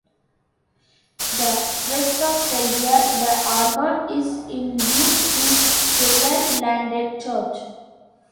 The rest of the year, the organ is in use in Kirkelandet Church.